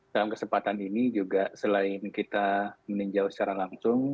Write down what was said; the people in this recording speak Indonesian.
dalam kesempatan ini juga selain kita meninjau secara langsung